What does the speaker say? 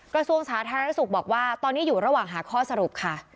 กระทรวงสาธารณสุขบอกว่าตอนนี้อยู่ระหว่างหาข้อสรุปค่ะ